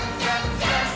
ジャンプ！！」